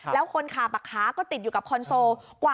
แล้วคนขาปักค้าก็ติดอยู่กับคอนโซล